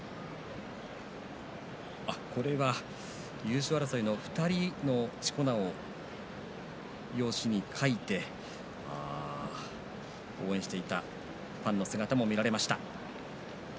これは優勝争いの２人のしこ名を用紙に書いて応援していたファンの姿も見られました。